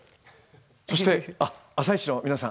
そして「あさイチ」の皆さん